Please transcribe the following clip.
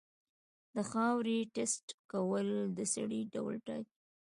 د خاورې ټیسټ کول د سرې ډول ټاکي.